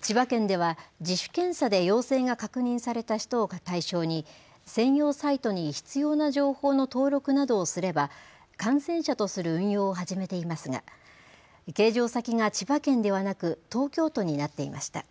千葉県では自主検査で陽性が確認された人を対象に専用サイトに必要な情報の登録などをすれば感染者とする運用を始めていますが計上先が千葉県ではなく東京都になっていました。